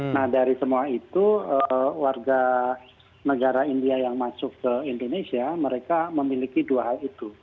nah dari semua itu warga negara india yang masuk ke indonesia mereka memiliki dua hal itu